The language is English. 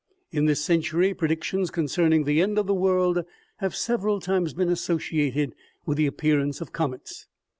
In this century, predictions concerning the end of the world have several times been associated with the appear ance of comets.